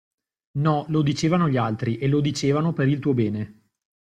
No, lo dicevano gli altri, e lo dicevano per il tuo bene.